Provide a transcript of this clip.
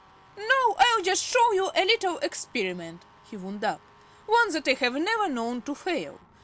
"Now I'll just show you a little experiment," he wound up, "one that I have never known to fail.